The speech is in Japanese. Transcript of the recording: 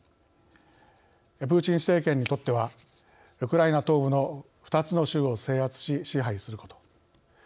プーチン政権にとってはウクライナ東部の２つの州を制圧し支配すること。